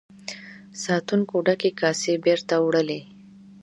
ساتونکو ډکې کاسې بیرته وړلې.